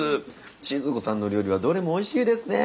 静子さんの料理はどれもおいしいですねえ。